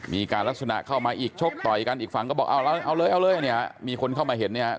มีการลักษณะเข้ามาอีกชกต่อยกันอีกฝั่งก็บอกเอาเลยเอาเลยเนี่ยมีคนเข้ามาเห็นเนี่ย